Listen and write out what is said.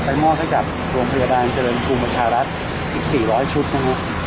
ไปมอบให้กับกรวมพยาบาลเจริญภูมิบัญชารักษณ์อีก๔๐๐ชุดนะครับ